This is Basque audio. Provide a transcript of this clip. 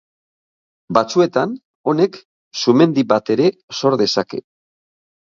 Batzuetan, honek, sumendi bat ere sor dezake.